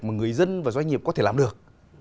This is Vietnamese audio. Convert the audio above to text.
mà người dân và doanh nghiệp có thể làm được